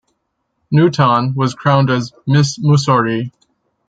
Nutan was crowned as Miss Mussorie.